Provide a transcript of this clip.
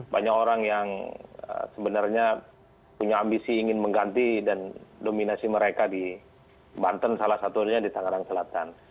banyak orang yang sebenarnya punya ambisi ingin mengganti dan dominasi mereka di banten salah satunya di tangerang selatan